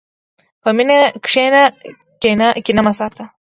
په مینه کښېنه، کینه مه ساته.